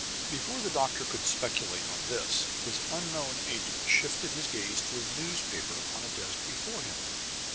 Before the doctor could speculate on this, his unknown agent shifted his gaze to a newspaper on a desk before him.